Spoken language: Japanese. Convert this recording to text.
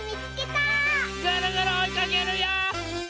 ぐるぐるおいかけるよ！